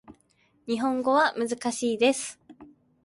日本語は難しいです